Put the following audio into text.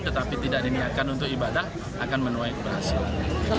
tetapi tidak diniatkan untuk ibadah akan menuai keberhasilan